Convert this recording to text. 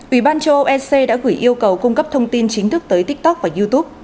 ủy ban châu âu ec đã gửi yêu cầu cung cấp thông tin chính thức tới tiktok và youtube